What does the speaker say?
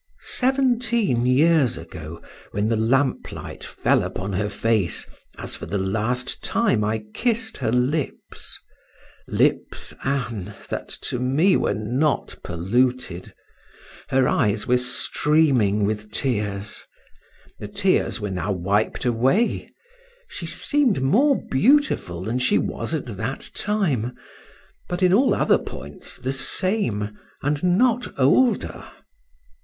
Seventeen years ago, when the lamplight fell upon her face, as for the last time I kissed her lips (lips, Ann, that to me were not polluted), her eyes were streaming with tears: the tears were now wiped away; she seemed more beautiful than she was at that time, but in all other points the same, and not older.